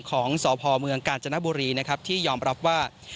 ของสภเมืองกาญจนบุรีที่ยอมรับว่า